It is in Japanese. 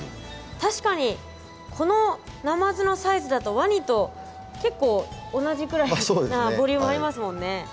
確かにこのナマズのサイズだとワニと結構同じくらいなボリュームありますもんね。